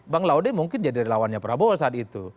bang laude mungkin jadi lawannya prabowo saat itu